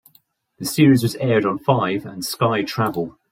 The series was aired on Five and Sky Travel.